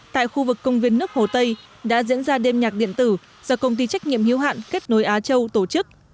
tại khu vực công viên nước hồ tây đã diễn ra đêm nhạc điện tử do công ty trách nhiệm hiếu hạn kết nối á châu tổ chức